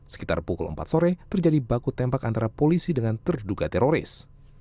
sekitar pukul empat sore terjadi baku tembak antara polisi dengan terduga teroris